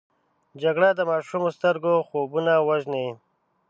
جګړه د ماشومو سترګو خوبونه وژني